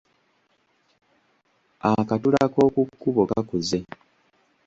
Akatula k’oku kkubo kakuze.